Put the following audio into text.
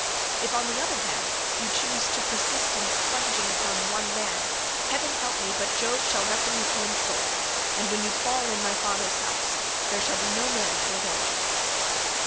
If on the other hand you choose to persist in spunging upon one man, heaven help me, but Jove shall reckon with you in full, and when you fall in my father's house there shall be no man to avenge you."